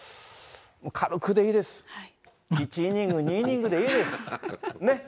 軽くでいいです、１イニング、２イニングでいいです、ね？